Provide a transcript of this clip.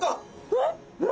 えっ！？